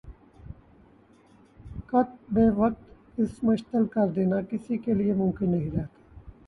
قت بے وقت اسے مشتعل کر دینا کسی کے لیے ممکن نہیں رہتا